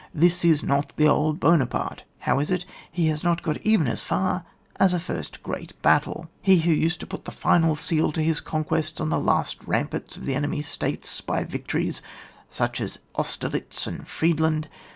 This is not the old Buonaparte ! How is it, he has not got even as far as a first great battle? he who used to put the final seal to his conquests on the last ramparts of the enemy's states, by vic tories such as Austerlitz and Friedland.